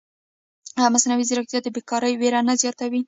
ایا مصنوعي ځیرکتیا د بېکارۍ وېره نه زیاتوي؟